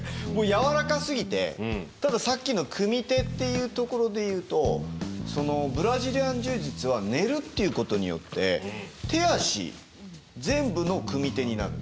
柔らかすぎてたださっきの組み手っていうところで言うとブラジリアン柔術は寝るっていうことによって手足全部の組み手になる。